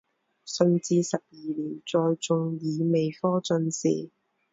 顺治十二年再中乙未科进士。